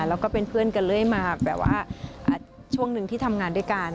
เราก็เป็นเพื่อนกันเลยมาช่วงหนึ่งที่ทำงานด้วยกัน